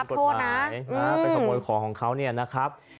ไปขโมยของเขาเนี่ยนะครับ